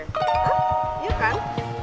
hah iya kan